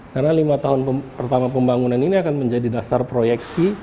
karena lima tahun pertama pembangunan ini akan menjadi dasar proyeksi